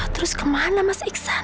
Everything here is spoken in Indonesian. terus kemana mas iksan